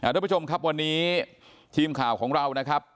ด้วยผู้ชมครับวันนี้ชีมข่าวของเรา